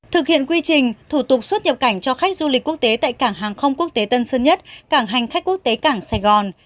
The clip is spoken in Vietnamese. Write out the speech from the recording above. thực hiện quy trình thủ tục xuất nhập cảnh cho khách du lịch quốc tế tại cảng hàng không quốc tế tân sơn nhất cảng hành khách quốc tế cảng sài gòn